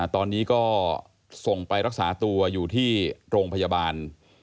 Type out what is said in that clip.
ตอนนี้ก็ส่งไปรักษาตัวอยู่ที่โรงพยาบาล